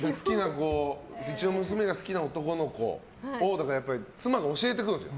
うちの娘が好きな男の子を妻が教えてくるんですよ。